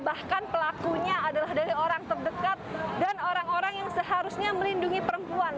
bahkan pelakunya adalah dari orang terdekat dan orang orang yang seharusnya melindungi perempuan